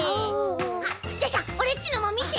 あっじゃあじゃあオレっちのもみて！